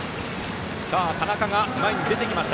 田中が前に出てきました。